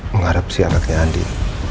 menghadap si anaknya andin